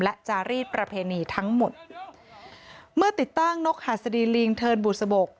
และจารีสประเพณีทั้งหมดเมื่อติดตั้งนกหัสดีลิงเทินบุษบก